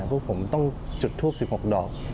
พวกผมต้องจุดทุกสิบหกดอก